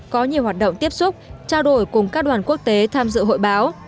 có nhiều hoạt động tiếp xúc trao đổi cùng các đoàn quốc tế tham dự hội báo